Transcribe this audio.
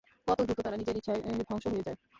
কত দ্রুত তারা নিজের ইচ্ছায় ধ্বংস হয়ে যায়।